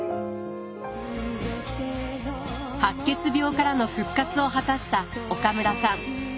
白血病からの復活を果たした岡村さん。